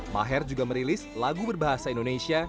maher juga merilis lagu berbahasa indonesia